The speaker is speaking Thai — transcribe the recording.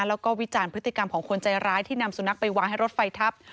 แล้วก็วิจารณ์พฤติกรรมของคนใจร้ายที่นำสุนัขไปวางให้รถไฟทับ